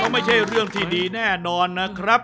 ไม่ใช่เรื่องที่ดีแน่นอนนะครับ